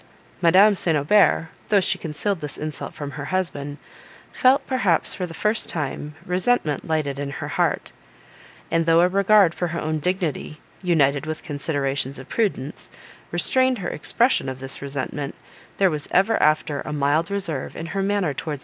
Madame St. Aubert, though she concealed this insult from her husband, felt, perhaps, for the first time, resentment lighted in her heart; and, though a regard for her own dignity, united with considerations of prudence, restrained her expression of this resentment, there was ever after a mild reserve in her manner towards M.